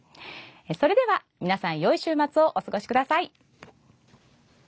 それでは、皆さんよい週末をお過ごしください。